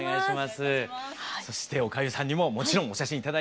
そしておかゆさんにももちろんお写真頂いております。